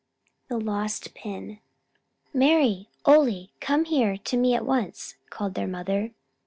THE LOST PIN "MARI, Ole, come here to me at once," called their mother.